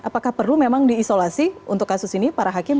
apakah perlu memang diisolasi untuk kasus ini para hakim